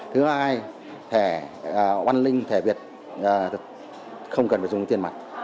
thứ hai thẻ onelink thẻ việt không cần phải dùng tiền mặt